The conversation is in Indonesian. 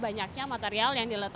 banyaknya material yang diperlukan